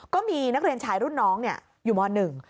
ก็มีนักเรียนชายรุ่นน้องอยู่มหนึ่ง